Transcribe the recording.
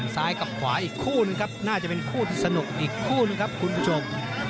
ซ้ายกับขวาอีกคู่หนึ่งครับน่าจะเป็นคู่ที่สนุกอีกคู่หนึ่งครับคุณผู้ชม